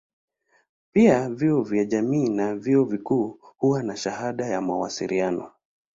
Pia vyuo vya jamii na vyuo vikuu huwa na shahada ya mawasiliano.